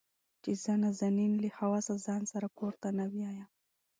چې زه نازنين له حواسه ځان سره کور ته نه بيايم.